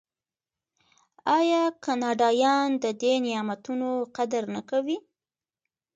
آیا کاناډایان د دې نعمتونو قدر نه کوي؟